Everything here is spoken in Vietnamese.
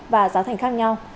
và giá thành khác nhau